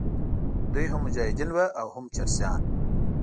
دوی هم مجاهدین وو او هم چرسیان.